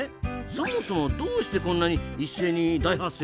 そもそもどうしてこんなに一斉に大発生するんですかね？